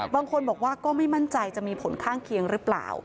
บางคนบอกว่าก็ไม่มั่นใจจะมีผลข้างเคียงหรือเปล่า